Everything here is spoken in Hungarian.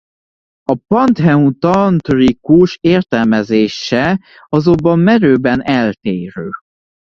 A pantheon tantrikus értelmezése azonban merőben eltérő.